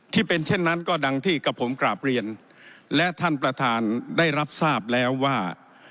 ที่เป็นเช่นนั้นก็ดังที่กับผมกราบเรียนและท่านประธานได้รับทราบแล้วว่า